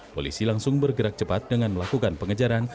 polisi langsung bergerak cepat dengan melakukan pengejaran